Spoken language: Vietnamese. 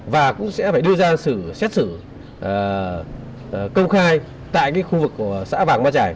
và cũng sẽ đưa ra sự xét xử công khai tại khu vực xã vàng ma trải